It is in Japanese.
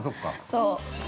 ◆そう。